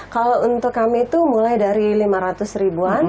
kalau untuk kami itu mulai dari lima ratus ribuan